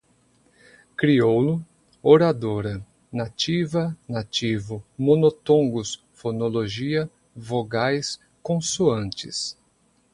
Crioulo, oradora, nativa, nativo, monotongos, fonologia, vogais, consoantes